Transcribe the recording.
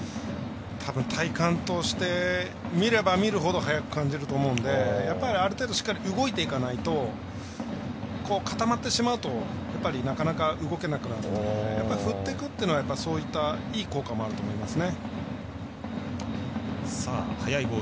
たぶん体感として見れば見るほど速く感じると思うので、ある程度動いていかないと固まってしまうとなかなか動けなくなるんで振っていくっていうのはそういういい効果もあると思います。